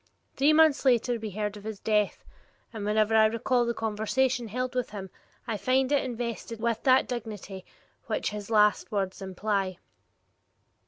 Three months later we heard of his death, and whenever I recall the conversation held with him, I find it invested with that dignity which last words imply.